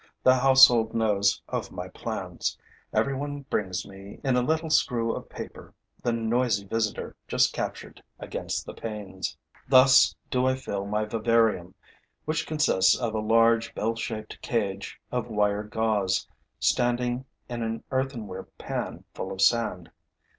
The household knows of my plans. Every one brings me, in a little screw of paper, the noisy visitor just captured against the panes. Thus do I fill my vivarium, which consists of a large, bell shaped cage of wire gauze, standing in an earthenware pan full of sand.